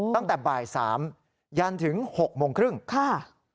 ตั้งแต่บ่าย๓ยันถึง๖๓๐ค่ะ